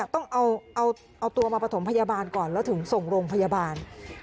ต้องเอาตัวมาประถมพยาบาลก่อนแล้วถึงส่งโรงพยาบาล